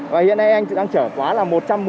và hiện nay anh đang chở quá là một trăm một mươi